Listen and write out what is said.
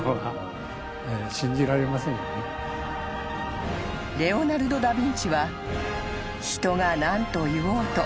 ［レオナルド・ダ・ヴィンチは人が何と言おうと］